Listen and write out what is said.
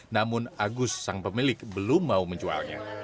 namun agus sang pemilik belum mau menjualnya